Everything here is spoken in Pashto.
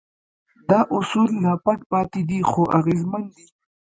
دا اصول لا پټ پاتې دي خو اغېزمن دي.